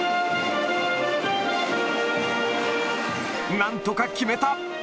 なんとか決めた。